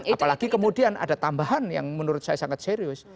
apalagi kemudian ada tambahan yang menurut saya sangat serius